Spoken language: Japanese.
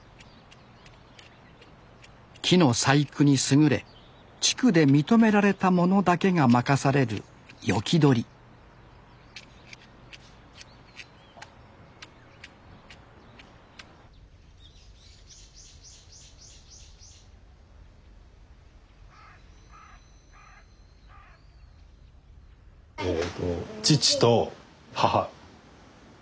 木の細工に優れ地区で認められた者だけが任される斧取りえと父と母。